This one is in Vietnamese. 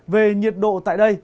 về nhiệt độ tại đây